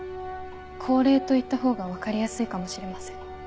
降霊といったほうが分かりやすいかもしれません。